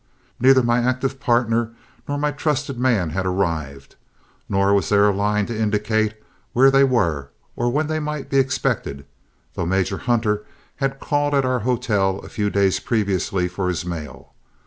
Neither my active partner nor my trusted man had arrived, nor was there a line to indicate where they were or when they might be expected, though Major Hunter had called at our hotel a few days previously for his mail.